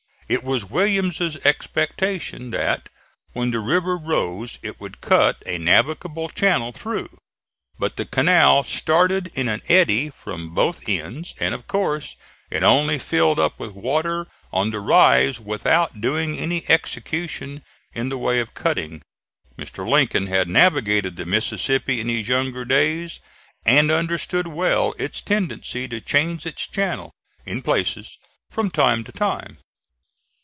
It was Williams' expectation that when the river rose it would cut a navigable channel through; but the canal started in an eddy from both ends, and, of course, it only filled up with water on the rise without doing any execution in the way of cutting. Mr. Lincoln had navigated the Mississippi in his younger days and understood well its tendency to change its channel, in places, from time to time.